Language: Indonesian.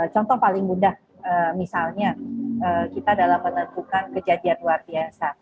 contoh paling mudah misalnya kita dalam menentukan kejadian luar biasa